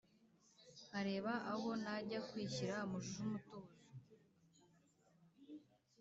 Nkareba aho najya kwishyira mujmutuzo